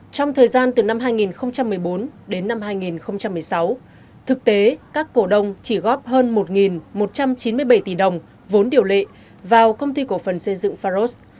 trong thời gian từ năm hai nghìn một mươi bốn đến năm hai nghìn một mươi sáu thực tế các cổ đồng chỉ góp hơn một một trăm chín mươi bảy tỷ đồng vốn điều lệ vào công ty cổ phần xây dựng pharos